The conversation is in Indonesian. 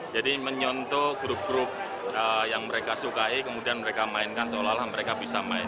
jadi menyontoh grup grup yang mereka sukai kemudian mereka mainkan seolah olah mereka bisa main